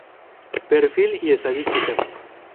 Perfil y estadísticas